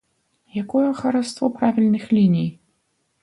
Якое хараство правільных ліній?